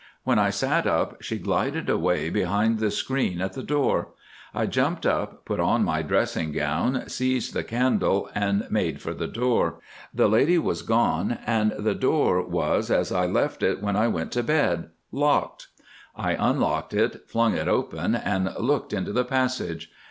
When I sat up she glided away behind the screen at the door. I jumped up, put on my dressing gown, seized the candle, and made for the door. The lady was gone, and the door was as I left it when I went to bed—locked. I unlocked it, flung it open, and looked into the passage.